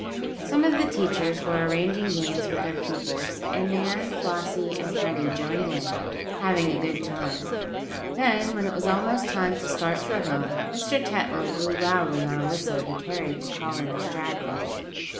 Some of the teachers were arranging games with their pupils, and Nan, Flossie and Freddie joined in, having a good time. Then, when it was almost time to start for home, Mr. Tetlow blew loudly on a whistle he carried to call in the stragglers.